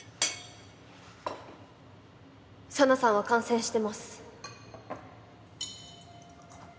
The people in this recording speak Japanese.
紗奈さんは感染してます。